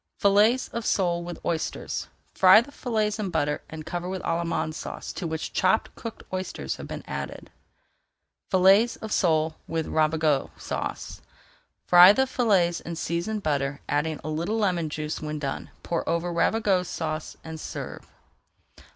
FILLETS OF SOLE WITH OYSTERS Fry the fillets in butter and cover with Allemande Sauce to which chopped cooked oysters have been added. FILLETS OF SOLE WITH RAVIGOTE SAUCE Fry the fillets in seasoned butter, adding a little lemon juice when done. Pour over Ravigote Sauce and serve.